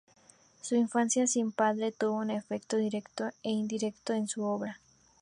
Su infancia sin padre tuvo un efecto directo e indirecto en su obra.